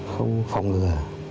không phòng ngừa